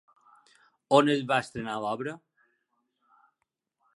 On es va estrenar l'obra?